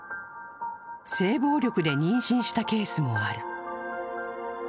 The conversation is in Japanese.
性暴力で妊娠したケースもある。